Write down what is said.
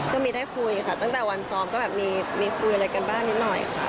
ก็มีได้คุยค่ะตั้งแต่วันซ้อมก็แบบมีคุยอะไรกันบ้างนิดหน่อยค่ะ